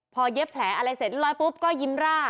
พอเย็บแผลอะไรเสร็จแล้วปุ๊บก็ยิ้มร่า